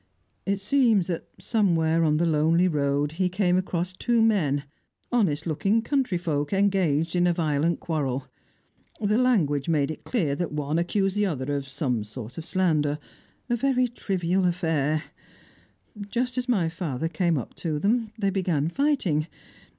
It seems that, somewhere on the lonely road, he came across two men, honest looking country folk, engaged in a violent quarrel; their language made it clear that one accused the other of some sort of slander, a very trivial affair. Just as my father came up to them, they began fighting.